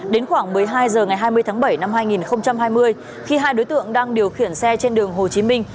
đến khoảng một mươi hai h ngày hai mươi tháng bảy năm hai nghìn hai mươi khi hai đối tượng đang điều khiển xe trên đường hồ chí minh